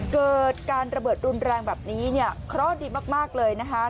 เกิดการระเบิดรุนแรงแบบนี้เนี่ยเคราะห์ดีมากเลยนะคะ